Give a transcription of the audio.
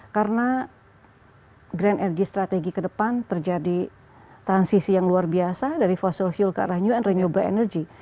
karena grand energy strategi ke depan terjadi transisi yang luar biasa dari fossil fuel ke arah new energy